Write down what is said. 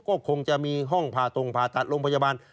ก็คงจะมีห้องผ่าตรงผ่าตัดโรงพยาบาล